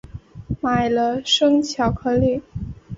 买了生巧克力